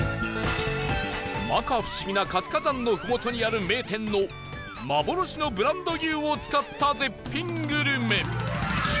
摩訶不思議な活火山の麓にある名店の幻のブランド牛を使った絶品グルメ